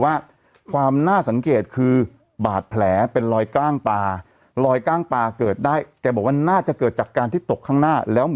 ไม่มันถอดเสื้อผ้าในบาร์โฮสไม่ได้อยู่แล้ว